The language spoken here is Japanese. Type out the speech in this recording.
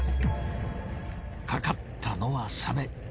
かかったのはサメ。